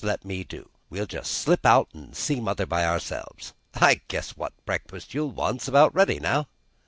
No, you let me do; we'll just slip out an' see mother by ourselves. I guess what breakfast you'll want's about ready now."